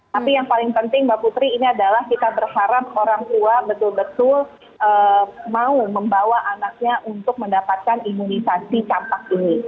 tapi yang paling penting mbak putri ini adalah kita berharap orang tua betul betul mau membawa anaknya untuk mendapatkan imunisasi campak ini